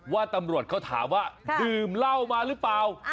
ว่าตำรวจเขาถามว่าดื่มเหล้ามาหรือเปล่า